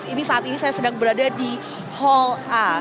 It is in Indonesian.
ini saat ini saya sedang berada di hall a